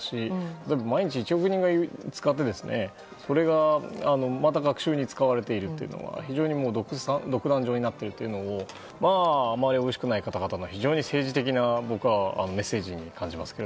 例えば、毎日１億人が使ってそれがまた学習に使われているというのは非常に独壇場になっているというのをあまりおいしくない方たちの非常に政治的なメッセージに感じますが。